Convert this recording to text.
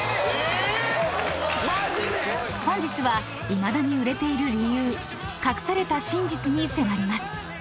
［本日はいまだに売れている理由隠された真実に迫ります］